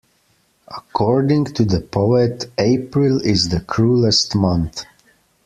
According to the poet, April is the cruellest month